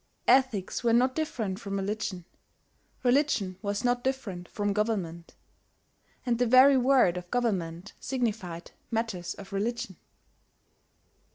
Ethics were not different from religion; religion was not different from government; and the very word for government signified "matters of religion."